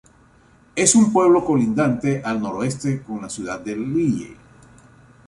Es un pueblo colindante al noroeste con la ciudad de Lille.